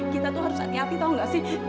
kita tuh harus hati hati tahu nggak sih